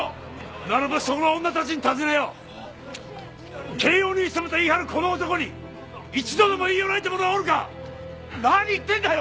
ならばその女たちに尋ねよケイオニウス様と言い張るこの男に一度でも言い寄られた者はおるか何言ってんだよ